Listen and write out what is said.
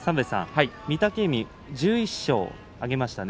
御嶽海１１勝を挙げましたね。